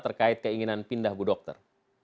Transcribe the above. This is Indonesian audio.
terkait keinginan pindah bu dokter